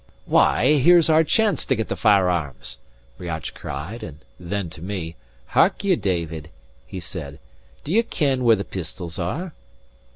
"Why, here's our chance to get the firearms!" Riach cried; and then to me: "Hark ye, David," he said, "do ye ken where the pistols are?"